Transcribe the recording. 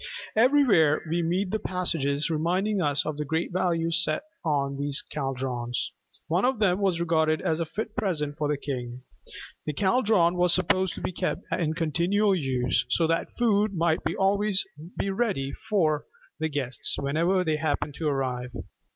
Everywhere we meet with passages reminding us of the great value set on these caldrons. One of them was regarded as a fit present for a king. The caldron was supposed to be kept in continual use, so that food might be always ready for guests whenever they happened to arrive.